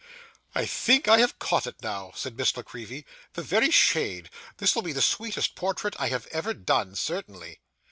'I think I have caught it now,' said Miss La Creevy. 'The very shade! This will be the sweetest portrait I have ever done, certainly.